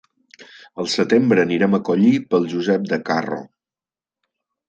Al setembre anirem a collir pel Josep de Carro.